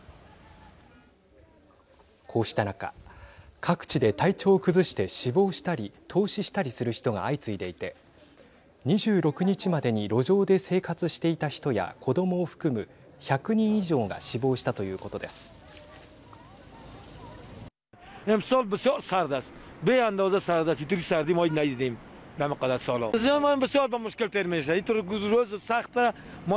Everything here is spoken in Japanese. こうした中各地で体調を崩して死亡したり凍死したりする人が相次いでいて２６日までに路上で生活していた人や子どもを含む１００人以上が死亡したということです。